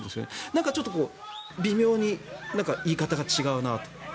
なんか微妙に言い方が違うなと。